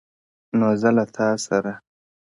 نو زه له تاسره ـ